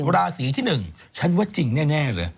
ราศีที่๑ฉันว่าจริงแน่เลย